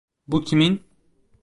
Bu kimin?